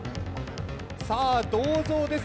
さあ銅像です。